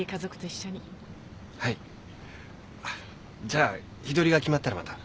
じゃあ日取りが決まったらまた。